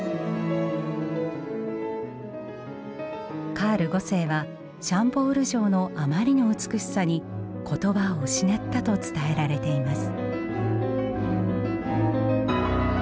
カール五世はシャンボール城のあまりの美しさに言葉を失ったと伝えられています。